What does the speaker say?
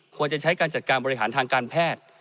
ควรจะใช้การจัดการบริหารทางการแพทย์